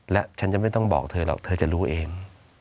และฉันจะไม่ต้องบอกเธอหรอกเธอจะรู้เอง